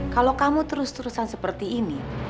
kalau kamu terus terusan seperti ini